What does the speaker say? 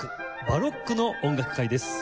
バロックの音楽会」です。